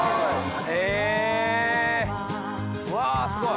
へぇうわすごい。